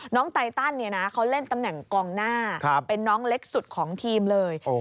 ไตตันเขาเล่นตำแหน่งกองหน้าเป็นน้องเล็กสุดของทีมเลย